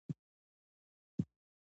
پیغمبر به په هغه ځاې ښکلو.